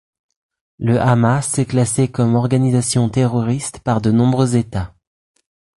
Le Hamas est classé comme organisation terroriste par de nombreux États.